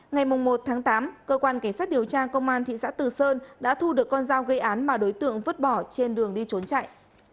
ngày một tháng tám cơ quan cảnh sát điều tra công an thị xã từ sơn đã thu được con dao gây án mà đối tượng vứt bỏ trên đường đi trốn chạy